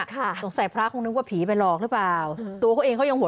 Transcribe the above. สงสัยพระคงนึกว่าผีไปหลอกหรือเปล่าตัวเขาเองเขายังหัว